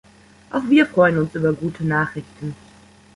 Auch wir freuen uns über gute Nachrichten.